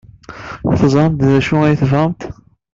Teẓramt d acu ay tebɣamt.